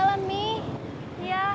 bang mau ngajak